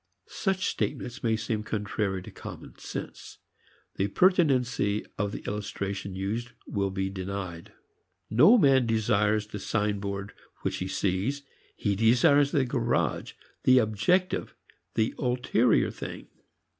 Such statements may seem contrary to common sense. The pertinency of the illustration used will be denied. No man desires the signboard which he sees, he desires the garage, the objective, the ulterior thing.